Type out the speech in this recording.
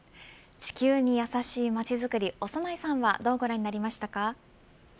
地球にやさしい街づくり長内さんはどうご覧になりましたか。